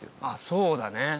あっそうだね